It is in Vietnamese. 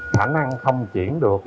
khả năng không chuyển được